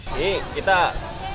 terima kasih banyak